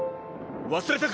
忘れたか？